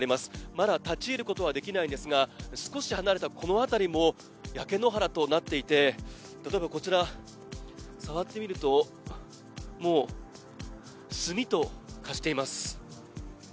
まだ立ち入ることはできないんですが、少し離れたこの辺りも焼け野原となっていて、例えばこちら触ってみるともう炭と化しています。